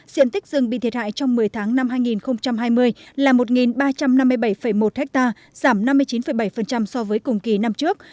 diện tích rừng bị thiệt hại trong một mươi tháng năm hai nghìn hai mươi là một ba trăm năm mươi bảy một ha giảm năm mươi chín bảy so với cùng kỳ năm trước